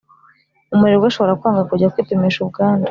Umurerwa ashobora kwanga kujya kwipimisha ubwandu